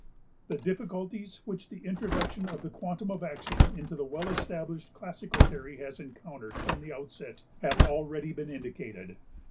The difficulties which the introduction of the quantum of action into the well established classical theory has encountered from the outset have already been indicated.